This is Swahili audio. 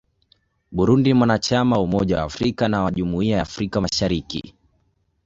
Burundi ni mwanachama wa Umoja wa Afrika na wa Jumuiya ya Afrika Mashariki.